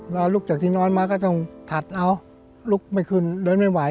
เราลุกจากที่นอนมาก็ต้องถัดเอาลุกไม่ขึ้นเดินไม่ไหว